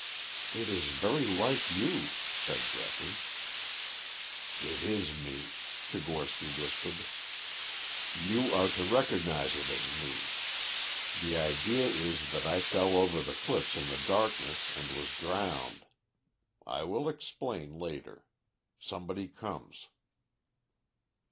"It is very like you," said Geoffrey. "It is me," Tchigorsky whispered. "You are to recognize it as me. The idea is that I fell over the cliffs in the darkness and was drowned. I will explain later. Somebody comes."